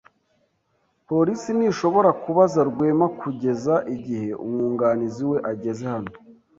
Polisi ntishobora kubaza Rwema kugeza igihe umwunganizi we ageze hano.